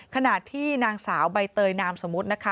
ขณะที่นางสาวใบเตยนามสมมุตินะคะ